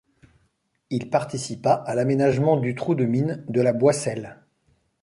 Il participa à l'aménagement du Trou de mine de La Boisselle.